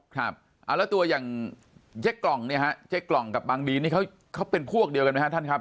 ครับแล้วตัวอย่างเจ๊กล่องกับปังดีนเขาเป็นพวกเดียวกันไหมฮะท่านครับ